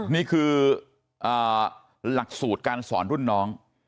นี่คือหลักสูตรการสอนรุ่นน้อง